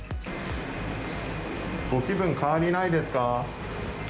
ご気分変わりないですか？